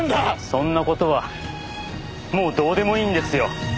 そんな事はもうどうでもいいんですよ。